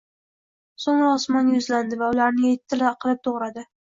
So‘ngra osmonga yuzlandi va ularni yettita qilib to‘g‘riladi.